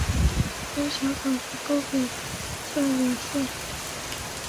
主沟小口子沟北侧有寺。